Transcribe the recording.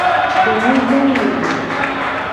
Denyigbalolo.